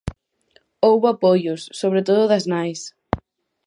Houbo apoios, sobre todo das nais.